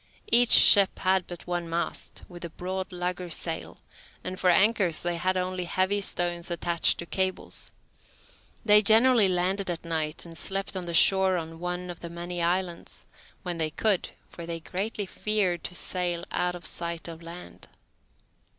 Each ship had but one mast, with a broad lugger sail, and for anchors they had only heavy stones attached to cables. They generally landed at night, and slept on the shore of one of the many islands, when they could, for they greatly feared to sail out of sight of land.